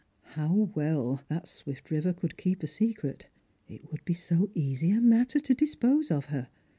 How well that swift river could keep a secret ! It would be so easy a matter to dispose of her.